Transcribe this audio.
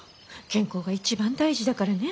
健康が一番大事だからね。